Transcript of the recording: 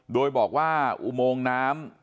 โดยบอกว่าอุโมงน้ำ